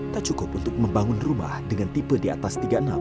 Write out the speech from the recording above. tak cukup untuk membangun rumah dengan tipe di atas tiga puluh enam